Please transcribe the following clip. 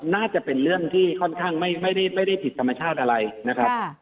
น่าจะเป็นเรื่องที่ค่อนข้างไม่ได้ผิดธรรมชาติอะไรนะครับ